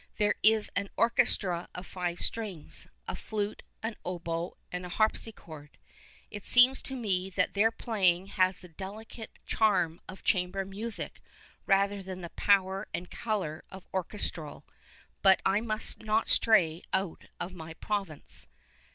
There is an orchestra of five strings, a flute, an oboe, and a harpsichord. It seems to mc that their playing has the delicate charm of chamber nuisic rather than the power and colour of orchestral — but I nmst not stray out of my province.